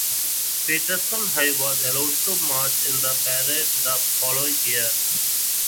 Peterson High was allowed to march in the parade the following year.